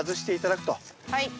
はい。